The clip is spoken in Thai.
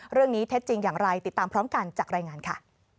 เท็จจริงอย่างไรติดตามพร้อมกันจากรายงานค่ะ